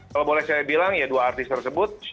kalau boleh saya bilang ya dua artis tersebut